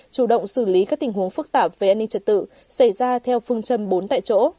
chủ động xử lý các tình huống phức tạp về an ninh trật tự xảy ra theo phương châm bốn tại chỗ